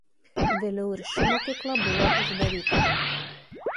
Vėliau ir ši mokykla buvo uždaryta.